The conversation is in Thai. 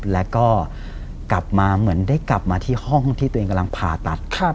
แล้วก็กลับมาเหมือนได้กลับมาที่ห้องที่ตัวเองกำลังผ่าตัด